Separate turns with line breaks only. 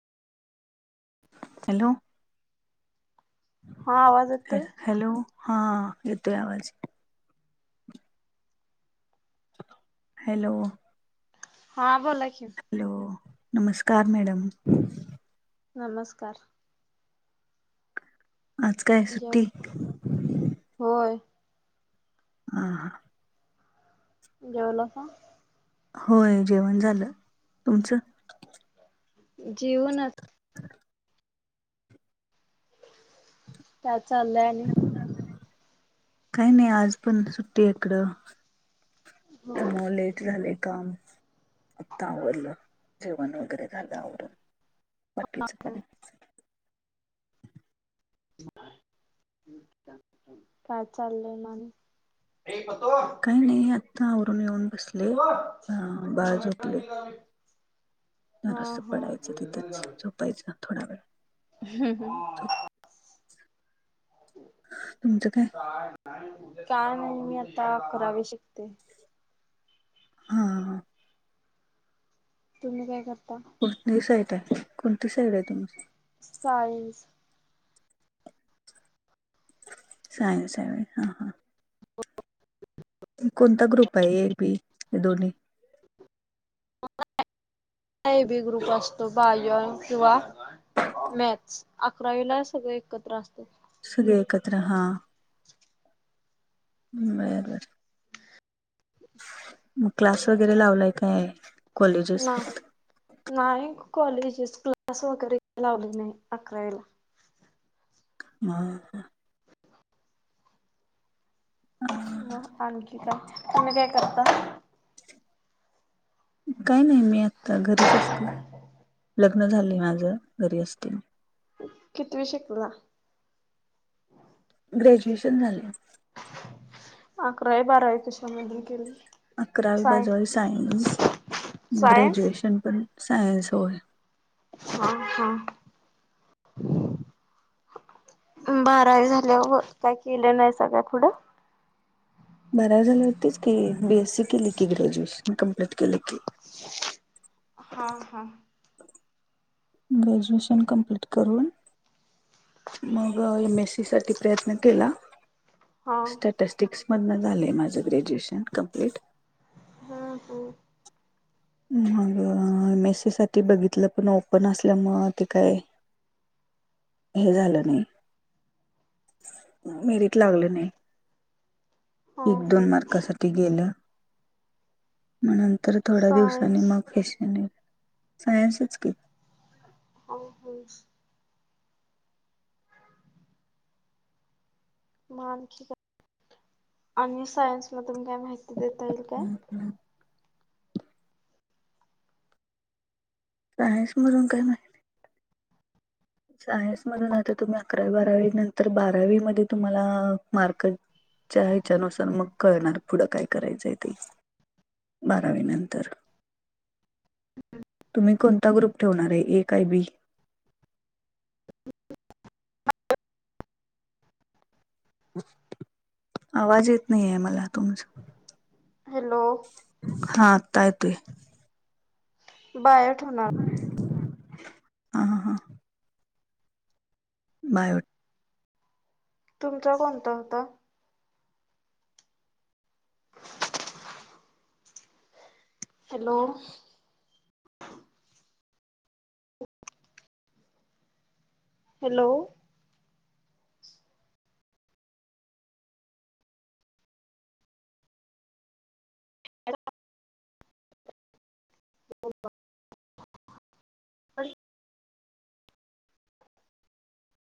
Hello.
हा आवाज येतोय.
हॅलो हां येतोय आवाज. हॅलो.
हा बला कि.
हॅलो नमस्कार मॅडम.
नमस्कार.
आज काय
जेव
सुट्टी.
होय.
ह हा.
जेवलासा.
होय जेवण झालं तुमचं.
जीवनाच. त्या चाललंय आणि.
काही नाही आज पण सुट्टी इकडं एमोलेट झाले काम. आत्ता आवरलं जेवण वगैरे झालं आवरून बाकीच पण.
काय चाललंय मातो.
नाही नाही आत्ता आवरून येऊन बसले बाळ झोपले.
हा
रस्ं पडायचं तिथंच
हा.
झोपायचं ना थोडा वेळ.
ह्
झोप
ह. काय नाही मी आता करावी शिकते.
हा हा.
तुम्ही काय करता?
कोणती साईड आहे कोणती साईड आहे तुमच?
सायन्स.
सायन्स आहे होय हा हा. कोणता ग्रुप आहे एर बी काय दोन्ही?
एबी ग्रुप असतो बाय किंवा मॅथ्स अकरावीला सगळं एकत्र असतं.
सगळे एकत्र हा. बर बर. मग क्लास वगैरे लावलाय काय? कॉलेजेस
ना नाही कॉलेजेस क्लास वगैरे लावले नाही अकराला.
हा.
हो आणखी काय, तुम्ही काय करता?
काही नाही मी आता घरीच असते लग्न झाले माझ घरी असते.
कितवी शिकला?
ग्रॅज्युएशन झाले.
अकरावी, बारावी. कशामधून केली?
अकरावी
साय
बारावी सायन्स
सायन्स
ग्रॅज्युएशन पण. सायन्स होय.
हा हा. बारावी झाल्या काय केलं नाहीसा काय पुढं?
बारावी झाले होतेच की बीएस सी केली की ग्रॅज्युएशन कम्प्लीट केली की.
हा हा.
ग्रॅज्युएशन कमप्लीट करून मग एम एस सी साठी प्रयत्न केला.
हा
स्टॅटस्टिक्स मधन झालंय माझं ग्रॅज्युएशन कम्प्लीट.
हा हो.
मग एम ए सी साठी बघितलं पण ओपन असल्यामुळे ते काय. हे झालं नाही मिरिट लागलं नाही.
हा
एक दोन
हा
मार्कासाठी गेलं. मग नंतर थोड्या दिवसाांनी
सायन्स
मग फशन, सायन्सच की.
हो हो.. मानख आणि सायन्स मधून काय माहिती देता येईल काय?
हम्. सायन्स म्हणून काय नाही? सायन्स मधून आता तुम्ही अकरावी बारावी नंतर बारावी मध्ये तुम्हाला मार्क ह्याच्यानुसार मग कळणार पुढं काय करायचंय ते. बारावीनंतर. तुम्ही कोणता ग्रुप ठेवणार आहे एक काय बी? आवाज येत नाही आहे मला तुमचा.
हॅलो.
हा आता येतोय.
बायो ठेवणार आहे.
हा ह हा. बायो.
तुमचा कोणता होता? [unintelligible] हॅलो! हॅलो! [unintelligible] [unintelligible]